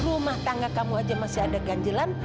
rumah tangga kamu aja masih ada ganjelan